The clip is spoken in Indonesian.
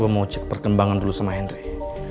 mau cek perkembangan dulu sama henry